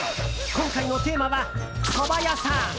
今回のテーマは、そば屋さん。